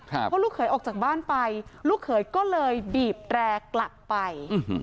เพราะลูกเขยออกจากบ้านไปลูกเขยก็เลยบีบแตรกลับไป